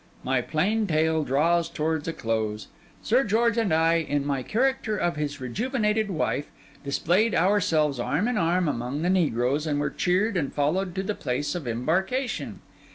My plain tale draws towards a close. Sir George and I, in my character of his rejuvenated wife, displayed ourselves arm in arm among the negroes, and were cheered and followed to the place of embarkation.